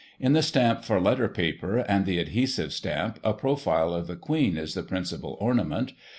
In the stamp for letter paper and the adhesive stamp, a profile of the Queen is the principal ornament.